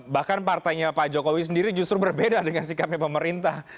bahkan partainya pak jokowi sendiri justru berbeda dengan sikapnya pemerintah